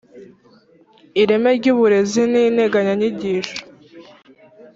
Ireme ry Uburezi n Integanyanyigisho